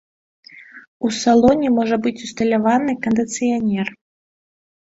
У салоне можа быць усталяваны кандыцыянер.